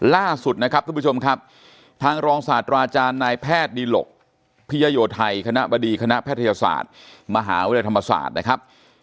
ล่าสุดนะครับทุกผู้ชมครับทางรองศาสตราอาจารย์นายแพทย์ดีหลกพิยโยไทยคณะบดีคณะแพทยศาสตร์มหาวิทยาลัยธรรมศาสตร์นะครับ